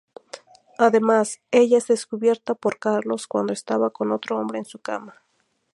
Además, ella es descubierta por Carlos, cuando estaba con otro hombre en su cama.